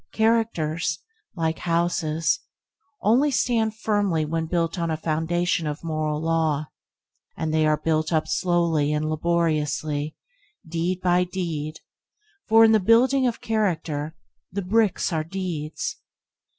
Characters, like houses, only stand firmly when built on a foundation of moral law and they are built up slowly and laboriously, deed by deed, for in the building of character, the bricks are deeds.